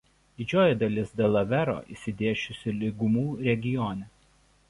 Didžioji dalis Delavero išsidėsčiusi lygumų regione.